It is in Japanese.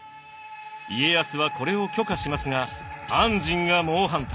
家康はこれを許可しますが安針が猛反対。